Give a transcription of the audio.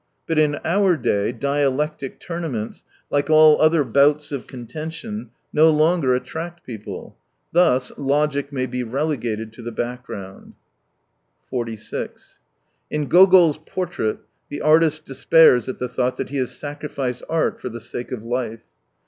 But in our day dialectic tournaments, like all other bouts of contention, no longer attract people. Thus logic may be relegated to the background. 46 In Gogol's Portrait, the artist despairs at the thought that he has sacrificed art for the sake of "life."